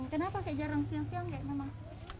kenapa jarang siang siang kakek